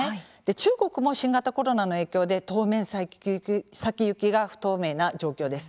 中国も新型コロナの影響で当面先行きが不透明な状況です。